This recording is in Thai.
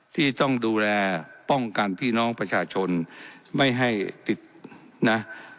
ที่ต้องดูแลป้องกันพี่น้องประชาชนไม่ให้ติดนะ